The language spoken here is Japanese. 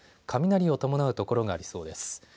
雷を伴う所がありそうです。